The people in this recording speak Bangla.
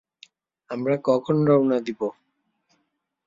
আমরা কখন রওনা দিবো?